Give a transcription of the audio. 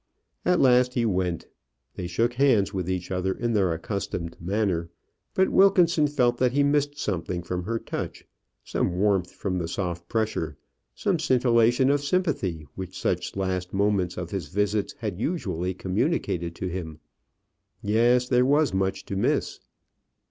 At last he went. They shook hands with each other in their accustomed manner, but Wilkinson felt that he missed something from her touch, some warmth from the soft pressure, some scintillation of sympathy which such last moments of his visits had usually communicated to him. Yes; there was much to miss.